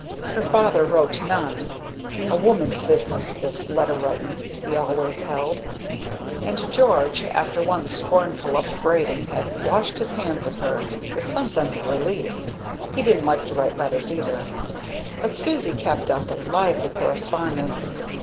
Her father wrote none "A woman's business this letter writin'," he always held; and George, after one scornful upbraiding, had "washed his hands of her" with some sense of relief. He didn't like to write letters either. But Susie kept up a lively correspondence.